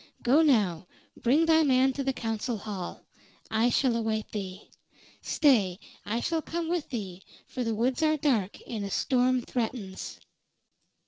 Go now, bring thy man to the council hall. I shall await thee. Stay, I shall come with thee, for the woods are dark, and a storm threatens."